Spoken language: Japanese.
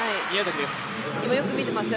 今、よく見てました。